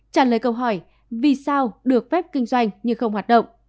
trả lời câu hỏi vì sao được phép kinh doanh nhưng không hoạt động